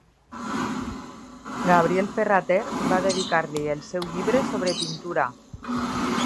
Gabriel Ferrater va dedicar-li el seu llibre Sobre pintura.